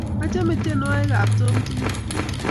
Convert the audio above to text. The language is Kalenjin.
achame tienwokik ab Tom tokol